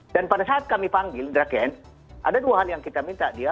dan pada saat kami panggil indra cash ada dua hal yang kita minta dia